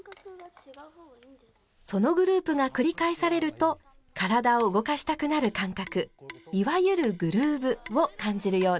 そのグループがくり返されると体を動かしたくなる感覚いわゆるグルーブを感じるようです。